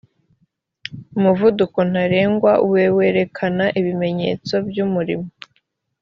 umuvuduko ntarengwa wewerekana ibimenyetso by ‘umuriro.